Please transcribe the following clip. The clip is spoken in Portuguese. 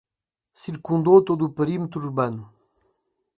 Circundou todo o perímetro urbano